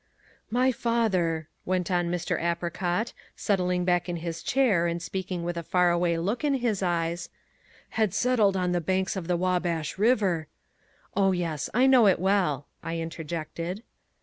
"My father," went on Mr. Apricot, settling back in his chair and speaking with a far away look in his eyes, "had settled on the banks of the Wabash River " "Oh, yes, I know it well," I interjected.